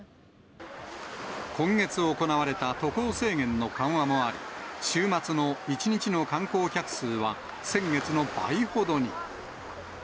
今月行われた渡航制限の緩和もあり、週末の１日の観光客数は先月の倍ほどに。